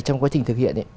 trong quá trình thực hiện